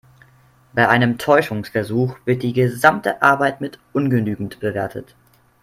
Bei einem Täuschungsversuch wird die gesamte Arbeit mit ungenügend bewertet.